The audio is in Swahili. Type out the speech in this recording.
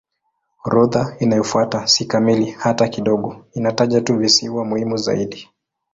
Orodha inayofuata si kamili hata kidogo; inataja tu visiwa muhimu zaidi.